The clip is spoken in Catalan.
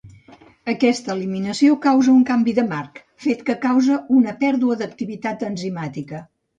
Aquesta eliminació causa un canvi de marc, fet que causa una pèrdua d'activitat enzimàtica.